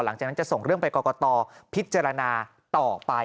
หลังจากนั้นจะส่งเรื่องไปกรกตพิจารณาต่อไป